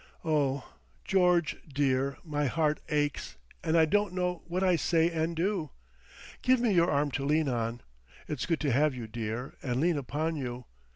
"Oh! George, dear, my heart aches, and I don't know what I say and do. Give me your arm to lean on—it's good to have you, dear, and lean upon you....